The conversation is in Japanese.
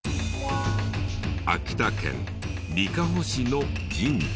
秋田県にかほ市の神社。